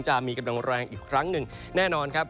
จะมีกำลังแรงอีกครั้งหนึ่งแน่นอนครับ